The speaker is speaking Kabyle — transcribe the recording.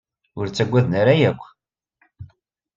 Ur ttaggaden ara akk.